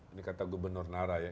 ini kata gubernur nara ya